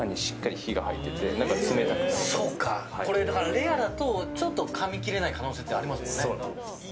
レアだとかみ切れない可能性もありますもんね。